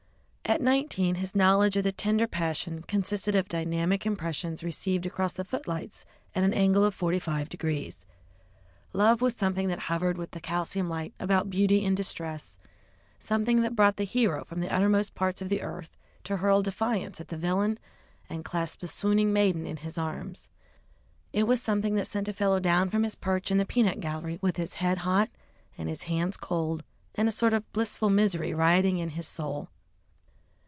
At nineteen his knowledge of the tender passion consisted of dynamic impressions received across the footlights at an angle of forty five degrees. Love was something that hovered with the calcium light about beauty in distress, something that brought the hero from the uttermost parts of the earth to hurl defiance at the villain and clasp the swooning maiden in his arms; it was something that sent a fellow down from his perch in the peanut gallery with his head hot and his hands cold, and a sort of blissful misery rioting in his soul.